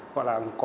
gọi là có nguy cơ